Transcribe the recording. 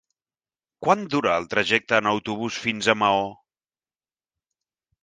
Quant dura el trajecte en autobús fins a Maó?